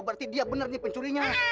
berarti dia benar nih pencurinya